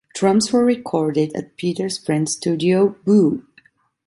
Drums were recorded at Petter's friend's studio, Boo.